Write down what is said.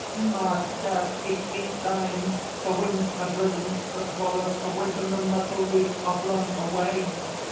"Master! it is time! The wind has risen, the swallows awaken, the myrtle leaves are blown away."